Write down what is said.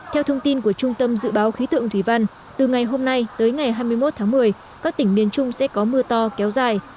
theo thông tin của trung tâm dự báo khí tượng thủy văn từ ngày hôm nay tới ngày hai mươi một tháng một mươi các tỉnh miền trung sẽ có mưa to kéo dài